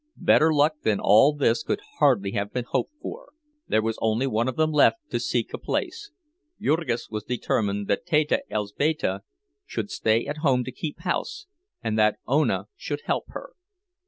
Better luck than all this could hardly have been hoped for; there was only one of them left to seek a place. Jurgis was determined that Teta Elzbieta should stay at home to keep house, and that Ona should help her.